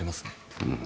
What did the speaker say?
うん。